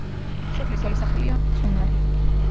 სოფლის ძველი სახელია წუნარი.